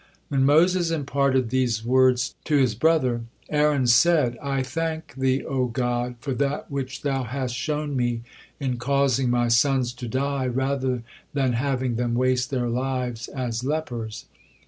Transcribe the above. When Moses imparted these words to his brother, Aaron said: "I thank Thee, O God, for that which Thou hast shown me in causing my sons to die rather then having them waste their lives as lepers.